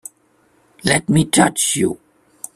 Let me touch you!